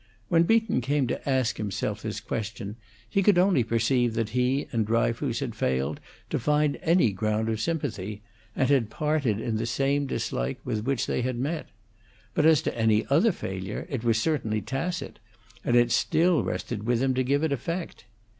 When Beaton came to ask himself this question, he could only perceive that he and Dryfoos had failed to find any ground of sympathy, and had parted in the same dislike with which they had met. But as to any other failure, it was certainly tacit, and it still rested with him to give it effect.